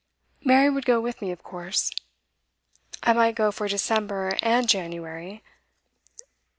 Mary would go with me, of course. I might go for December and January.